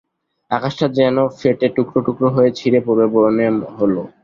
আকাশটা যেন ফেটে টুকরো টুকরো হয়ে ছিঁড়ে পড়বে মনে হল।